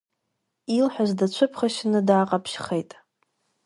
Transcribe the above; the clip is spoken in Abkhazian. Илҳәаз дацәыԥхашьаны дааҟаԥшьхеит.